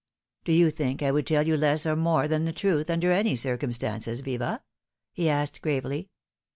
" Do you think I would tell you less or more than the truth under any circumstances, Viva ?" he asked gravely.